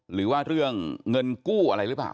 หรือว่าเรื่องเงินกู้อะไรหรือเปล่า